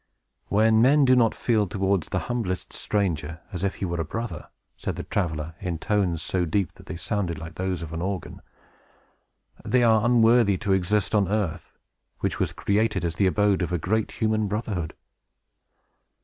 "When men do not feel towards the humblest stranger as if he were a brother," said the traveler, in tones so deep that they sounded like those of an organ, "they are unworthy to exist on earth, which was created as the abode of a great human brotherhood!"